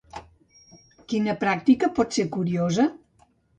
Quina pràctica pot ser curiosa?